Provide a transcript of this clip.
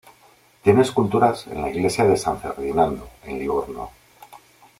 Tiene esculturas en la Iglesia de San Ferdinando en Livorno